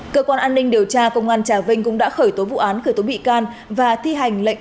cơ quan an ninh điều tra công an trà vinh cũng đã khởi tố vụ án khởi tố bị can và thi hành lệnh